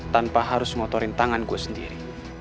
tanpa harus motorin tangan gue sendiri